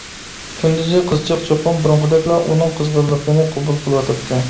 كۈندۈزى قىزچاق چوقۇم بۇرۇنقىدەكلا ئۇنىڭ قىزغىنلىقىنى قوبۇل قىلىۋاتاتتى.